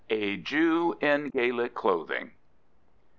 A JEW IN GAELIC CLOTHING.